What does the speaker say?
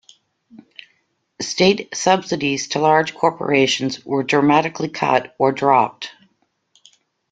State subsidies to large corporations were dramatically cut or dropped.